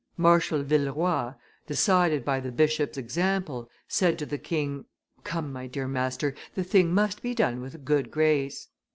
"Marshal Villeroy, decided by the bishop's example, said to the king, 'Come, my dear master; the thing must be done with a good grace.